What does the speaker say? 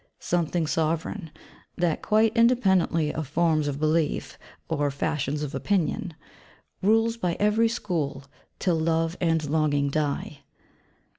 ' Something sovereign, that, quite independently of forms of belief, or fashions of opinion, 'rules by every school, till love and longing die.'